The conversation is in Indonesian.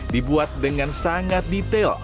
dibuat dengan sangat detail